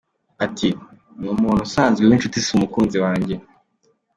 Ati: Ni umuntu usanzwe w’inshuti si umukunzi wanjye.